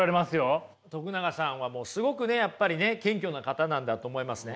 永さんはもうすごくねやっぱりね謙虚な方なんだと思いますね。